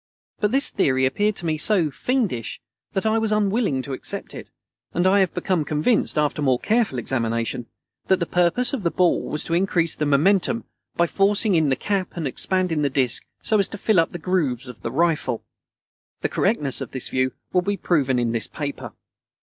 But this theory appeared to me so "fiendish" that I was unwilling to accept it, and I became convinced, after more careful examination, that the purpose of the ball was to increase the momentum, by forcing in the cap and expanding the disc so as to fill up the grooves of the rifle. The correctness of this view will be proven in this paper.